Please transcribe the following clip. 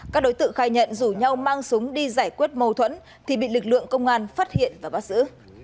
các đối tượng khai nhận rủ nhau mang súng đi giải quyết mâu thuẫn thì bị lực lượng công an phát hiện và bắt giữ